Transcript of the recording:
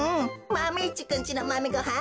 マメ１くんちのマメごはん